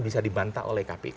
bisa dibantah oleh kpk